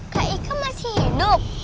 kak ika masih hidup